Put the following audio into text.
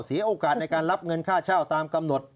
เสียโอกาสในการรับเงินค่าเช่าตามกำหนด